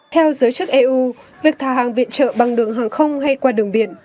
theo giới chức eu việc thả hàng viện trợ bằng đường hàng không hay qua đường biển